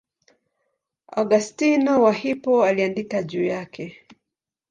Augustino wa Hippo aliandika juu yake.